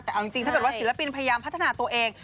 แต่เอาจริงถ้าเกิดว่าศิลปินพยายามพัฒนาตัวเอง